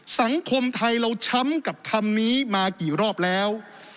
สังคมไทยเราช้ำกับคำนี้มากี่รอบแล้ว